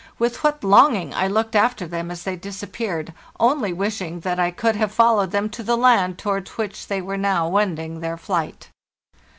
With what longing I looked after them as they disappeared, only wishing that I could have followed them to the land towards which they were now wending their flight